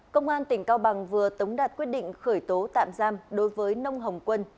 công an tỉnh cao bằng vừa tống đạt quyết định khởi tố tạm giam đối với nông hồng quân